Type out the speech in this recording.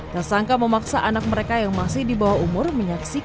tersangka memaksa anak mereka yang masih di bawah umur